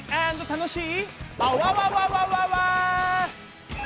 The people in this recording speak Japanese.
楽しい！